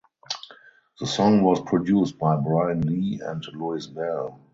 The song was produced by Brian Lee and Louis Bell.